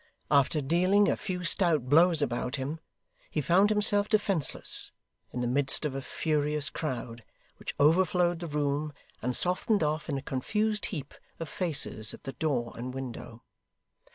After dealing a few stout blows about him, he found himself defenceless, in the midst of a furious crowd, which overflowed the room and softened off in a confused heap of faces at the door and window.